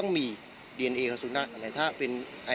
มันไม่ใช่แหละมันไม่ใช่แหละ